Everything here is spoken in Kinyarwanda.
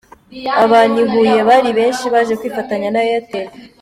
Abantu i Huye bari benshi baje kwifatanya na Airtel.